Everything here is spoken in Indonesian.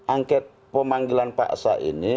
angket pemanggilan paksa ini